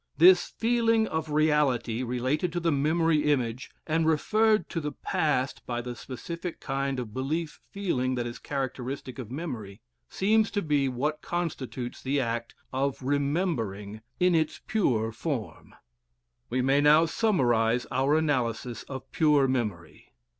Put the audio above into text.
This feeling of reality, related to the memory image, and referred to the past by the specific kind of belief feeling that is characteristic of memory, seems to be what constitutes the act of remembering in its pure form. We may now summarize our analysis of pure memory.